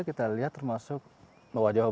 kita lihat termasuk wajah